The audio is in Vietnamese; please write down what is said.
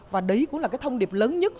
và đấy cũng là thông điệp lớn nhất